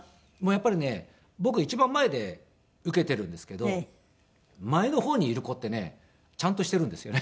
やっぱりね僕一番前で受けているんですけど前の方にいる子ってねちゃんとしているんですよね。